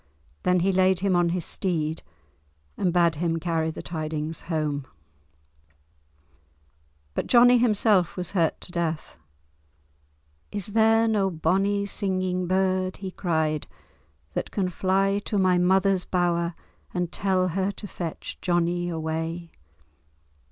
Then he laid him on his steed, and bade him carry the tidings home. [Illustration: Johnie of Breadislee] But Johnie himself was hurt to death. "Is there no bonnie singing bird," he cried, "that can fly to my mother's bower and tell her to fetch Johnie away?"